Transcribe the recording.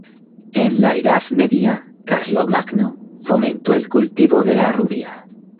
En la Edad Media, Carlomagno fomentó el cultivo de la rubia.